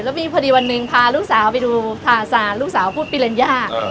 แล้วมีพอดีวันหนึ่งพาลูกสาวไปดูพาซาลูกสาวพูดปิลัญญา